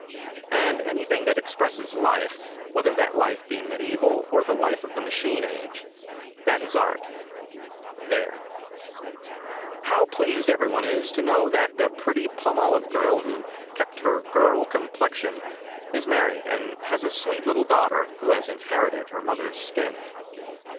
And anything that expresses Life, whether that life be mediaeval or the life of the machine age, that is Art. There. How pleased everyone is to know that the pretty Palmolive girl who "kept her girl complexion" is married and has a sweet little daughter who has inherited her mother's skin.